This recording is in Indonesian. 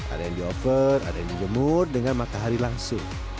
ada yang di over ada yang dijemur dengan matahari langsung